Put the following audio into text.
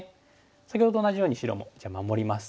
先ほどと同じように白もじゃあ守ります。